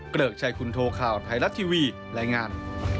เกริกชัยคุณโทข่าวไทยรัฐทีวีรายงาน